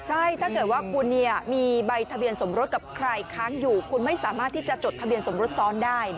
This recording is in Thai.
ใช่ถ้าเกิดว่าคุณมีใบทะเบียนสมรสกับใครค้างอยู่คุณไม่สามารถที่จะจดทะเบียนสมรสซ้อนได้